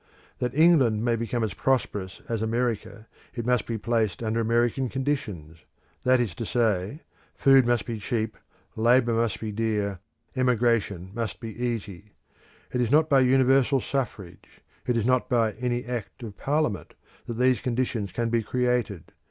That England may become as prosperous as America, it must be placed under American conditions; that is to say, food must be cheap, labour must be dear, emigration must be easy. It is not by universal suffrage, it is not by any Act of Parliament that these conditions can be created.